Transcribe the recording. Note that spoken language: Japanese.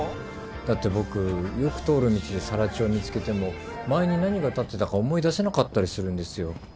だって僕よく通る道でさら地を見つけても前に何が立ってたか思い出せなかったりするんですよ。